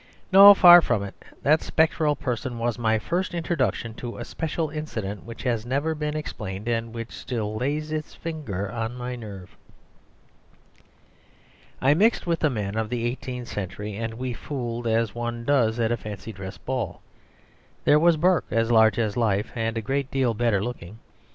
No; far from it. That spectral person was my first introduction to a special incident which has never been explained and which still lays its finger on my nerve. I mixed with the men of the eighteenth century; and we fooled as one does at a fancy dress ball. There was Burke as large as life and a great deal better looking.